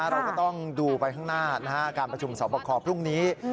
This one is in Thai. เราก็ต้องดูไปข้างหน้าการประชุมสอบคอพรุ่งนี้